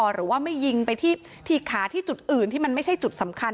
หรือว่าไม่ยิงไปที่ถีกขาที่จุดอื่นที่มันไม่ใช่จุดสำคัญ